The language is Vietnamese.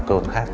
cơ hội khác